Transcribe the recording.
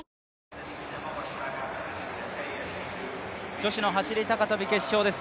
女子の走高跳決勝です。